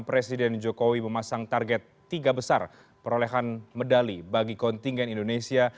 presiden jokowi memasang target tiga besar perolehan medali bagi kontingen indonesia